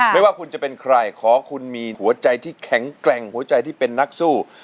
ไม่ว่าคุณจะเป็นใครขอคุณมีหัวใจที่แข็งแกร่งหัวใจที่เป็นนักสู้